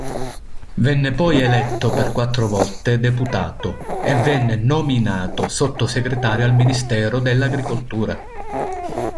Venne poi eletto per quattro volte deputato, e venne nominato sottosegretario al Ministero dell'Agricoltura.